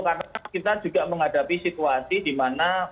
karena kita juga menghadapi situasi di mana mereka